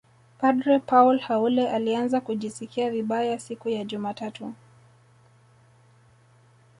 padre Paul Haule alianza kujisikia vibaya siku ya jumatatu